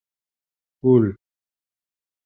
Ul.